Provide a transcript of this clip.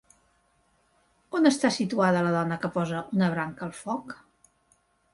On està situada la dona que posa una branca al foc?